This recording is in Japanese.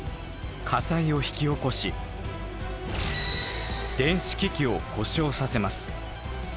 火災を引き起こし電子機器を故障させます。